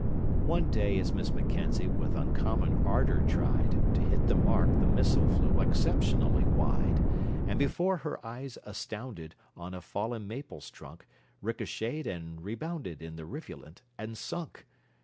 _] One day as Miss Mackenzie with uncommon ardor tried To hit the mark, the missile flew exceptionally wide, And, before her eyes astounded, On a fallen maple's trunk Ricochetted, and rebounded In the rivulet, and sunk!